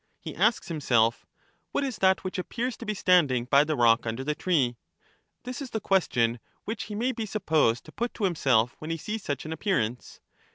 He asks himself— 'What is that which appears to be standing by the rock under the tree ?' This is the question which he may be supposed to put to himself when he sees such an appearance.